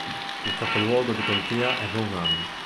Il capoluogo di contea è Bonham.